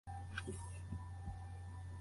He has in-depth knowledge and study of Nietzsche.